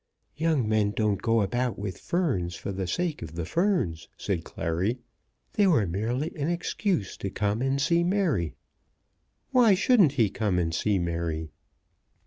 "Young men don't go about with ferns for the sake of the ferns," said Clary. "They were merely an excuse to come and see Mary." "Why shouldn't he come and see Mary?"